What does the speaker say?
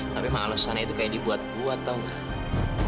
tapi emang alesannya itu kayak dibuat buat tau gak